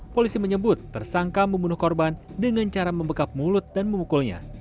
polisi menyebut tersangka membunuh korban dengan cara membekap mulut dan memukulnya